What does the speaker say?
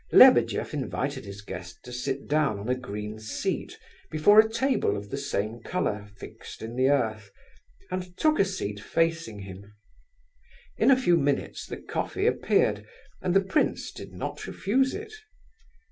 Lebedeff invited his guest to sit down on a green seat before a table of the same colour fixed in the earth, and took a seat facing him. In a few minutes the coffee appeared, and the prince did not refuse it.